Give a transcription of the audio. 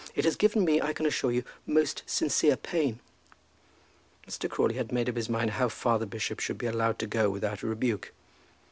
It has given me, I can assure you, the most sincere pain." Mr. Crawley had made up his mind how far the bishop should be allowed to go without a rebuke.